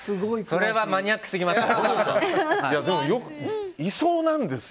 それはマニアックすぎます。